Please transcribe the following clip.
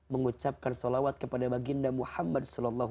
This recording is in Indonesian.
mengucapkan sholawat kepada baginda muhammad